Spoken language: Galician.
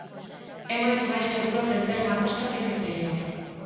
É moito máis seguro aprender na costa que no interior.